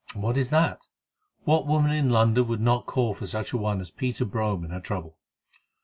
"And what is that? What woman in London would not call for such a one as Peter Brome in her trouble?